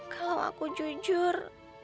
kalau aku jujur